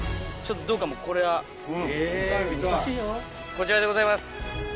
こちらでございます。